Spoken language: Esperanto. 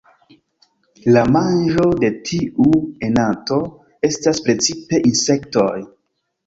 La manĝo de tiu enanto estas precipe insektoj.